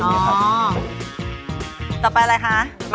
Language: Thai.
จะเป็นไข่ไก่